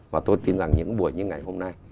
và tôi tin rằng những buổi như ngày hôm nay